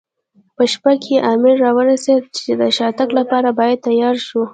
په شپه کې امر را ورسېد، چې د شاتګ لپاره باید تیار شو.